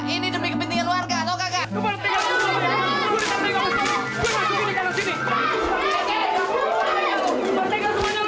ini demi kepentingan warga atau kakak